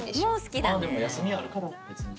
まあでも休みあるから別に。